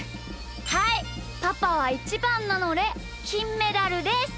はいパパはイチバンなのできんメダルです！